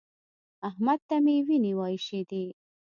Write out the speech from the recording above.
احمد ته مې وينې وايشېدې.